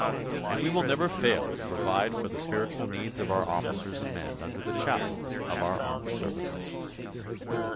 And we will never fail to provide for the spiritual needs of our officers and men under the Chaplains of our armed services.